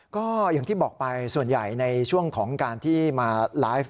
ก็อย่างที่บอกไปส่วนใหญ่ในช่วงของการที่มาไลฟ์